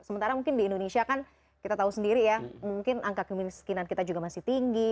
sementara mungkin di indonesia kan kita tahu sendiri ya mungkin angka kemiskinan kita juga masih tinggi